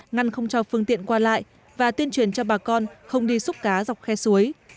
ngăn không cho phương tiện qua lại và tuyên truyền cho bà con không đi xúc cá dọc khe suối